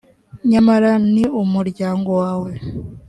nyamara ni umuryango wawe,